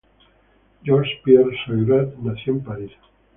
Georges Pierre Seurat nació en París.